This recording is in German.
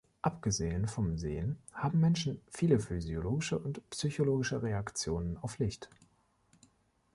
Abgesehen vom Sehen haben Menschen viele physiologische und psychologische Reaktionen auf Licht.